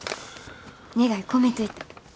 願い込めといた。